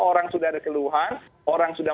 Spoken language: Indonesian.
orang sudah ada keluhan orang sudah